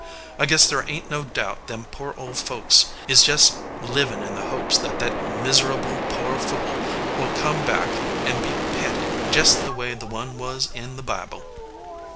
I guess there ain t no doubt them poor old folks is jest livin in the hopes that that miserable poor tool will come back an be petted jest the way the one was in the Bible."